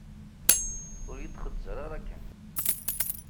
Ur yi-d-xeẓẓer ara akken.